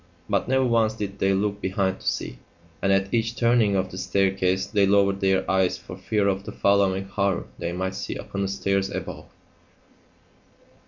But never once did they look behind to see; and at each turning of the staircase they lowered their eyes for fear of the following horror they might see upon the stairs above.